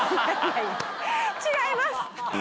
違います！